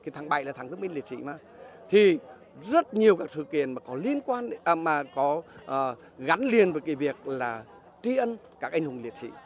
tháng bảy là tháng thức minh liệt sĩ thì rất nhiều các sự kiện mà có gắn liền với cái việc là tri ân các anh hùng liệt sĩ